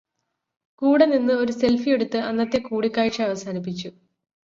കൂടെനിന്ന് ഒരു സെൽഫിയെടുത്ത് അന്നത്തെ കൂടിക്കാഴ്ച അവസാനിപ്പിച്ചു.